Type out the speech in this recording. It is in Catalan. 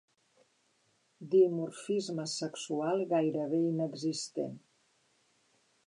Dimorfisme sexual gairebé inexistent.